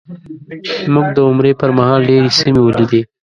موږ د عمرې په مهال ډېرې سیمې ولیدې.